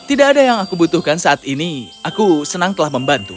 tidak ada yang aku butuhkan saat ini aku senang telah membantu